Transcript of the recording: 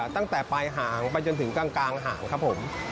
ตั้งแต่ปลายหางไปจนถึงกลางหางครับผม